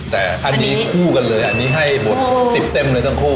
แต่อันนี้คู่กันเลยอันนี้ให้หมด๑๐เต็มเลยทั้งคู่